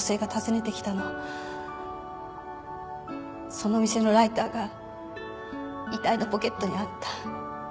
その店のライターが遺体のポケットにあった